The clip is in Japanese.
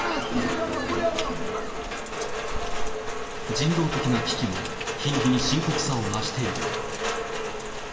人道的な危機も、日に日に深刻さを増している。